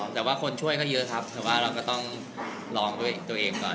แต่ว่าคนช่วยก็เยอะครับแต่ว่าเราก็ต้องลองด้วยตัวเองก่อน